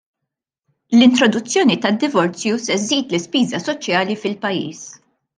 L-introduzzjoni tad-divorzju se żżid l-ispiża soċjali fil-pajjiż.